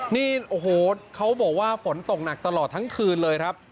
นี่โอ้โหเขาบอกว่าฝนตกหนักตลอดทั้งคืนเลยครับ